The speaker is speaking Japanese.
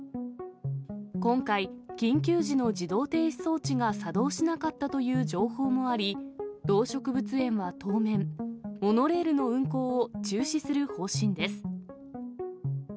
今回、緊急時の自動停止装置が作動しなかったという情報もあり、動植物園は当面、モノレールの運行を中止する方針です。